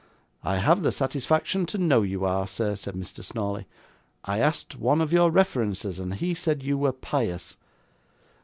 'I have the satisfaction to know you are, sir,' said Mr. Snawley. 'I asked one of your references, and he said you were pious.